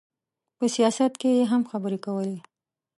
په سیاست کې یې هم خبرې کولې.